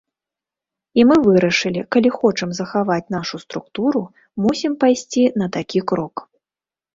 І мы вырашылі, калі хочам захаваць нашу структуру, мусім пайсці на такі крок.